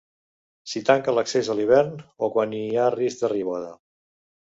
S'hi tanca l'accés a l'hivern o quan hi ha risc de riuada.